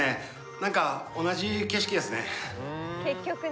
なんか同じ景色ですね。